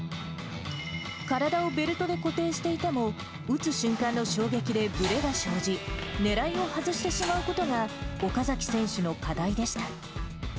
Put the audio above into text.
体をベルトで固定していても、撃つ瞬間の衝撃でぶれが生じ、狙いを外してしまうことが、岡崎選手の課題でした。